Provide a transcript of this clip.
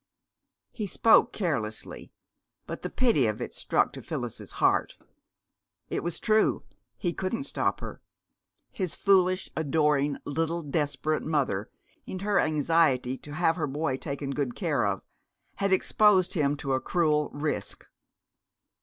He spoke carelessly, but the pity of it struck to Phyllis's heart. It was true, he couldn't stop her. His foolish, adoring little desperate mother, in her anxiety to have her boy taken good care of, had exposed him to a cruel risk.